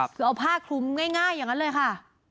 คือเอาผ้าคลุมง่ายอย่างนั้นเลยค่ะ